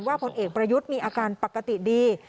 ผลเอกประยุทธ์มีอาการปกติดี